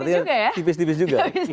artinya tipis tipis juga